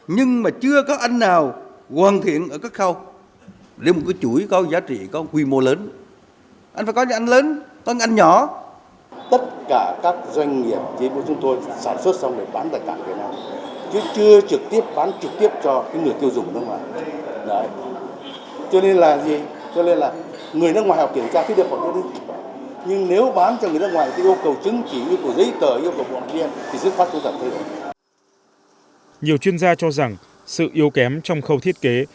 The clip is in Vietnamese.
nhiều chuyên gia cho rằng sự yếu kém trong khâu thiết kế